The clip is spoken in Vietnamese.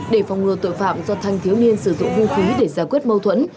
để phòng ngừa tội phạm do thanh thiếu niên sử dụng hung khí để giải quyết mâu thuẫn